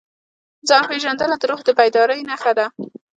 ځان پېژندنه د روح د بیدارۍ نښه ده.